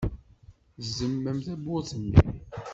Tzemmem tewwurt-nni.